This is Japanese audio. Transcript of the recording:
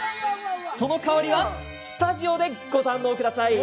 その香りスタジオでご堪能ください。